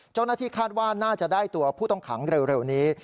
เจ้าหน้าที่คาดว่าน่าจะได้ตัวผู้ต้องขังเร็วนี้